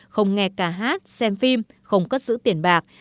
không nghe cả hát xem phim không cất giữ tiền bạc